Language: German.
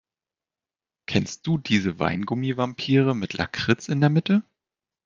Kennst du diese Weingummi-Vampire mit Lakritz in der Mitte?